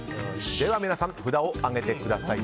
皆さん札を上げてください。